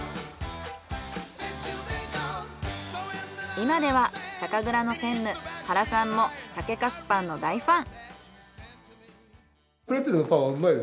今では酒蔵の専務原さんも酒粕パンの大ファン。